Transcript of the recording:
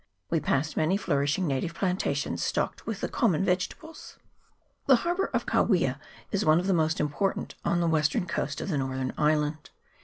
We passed many flourishing native plantations stocked with the common vegetables. The harbour of Kawia is one of the most import ant on the western coast of the northern island.